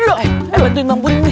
eh eh bantuin bang puring nih